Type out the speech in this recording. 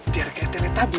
biar kayak telet abis